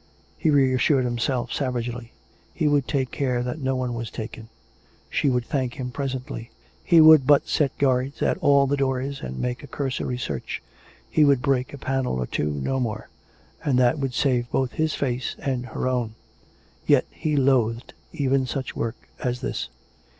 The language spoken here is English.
He reassured himself savagely; he would take care that no one was taken ... she would thank him presently ; he would but set guards at all the doors and make a cursory search; he would break a panel or two; no more. And that would save both his face and her own. ... Yet he loathed even such work as this.